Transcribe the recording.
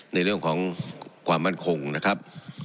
ในเรื่องของความมั่นคงนะครับ